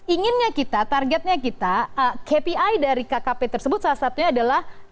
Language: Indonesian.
inginnya kita targetnya kita kpi dari kkp tersebut salah satunya adalah